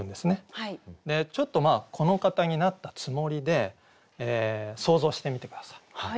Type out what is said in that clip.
ちょっとまあこの方になったつもりで想像してみて下さい。